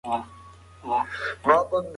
زعفران یو ډېر برکتي نبات دی.